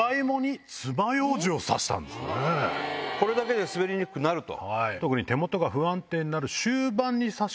これだけで滑りにくくなると。